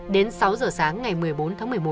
đến sáu giờ sáng ngày một mươi bốn tháng một mươi một